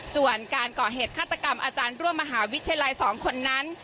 ส่วนการก่อเหตุฆาตกรรมอาจารย์ร่วมมหาวิทยาลัย๒คนนั้น